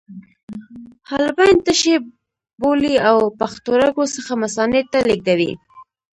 حالبین تشې بولې له پښتورګو څخه مثانې ته لیږدوي.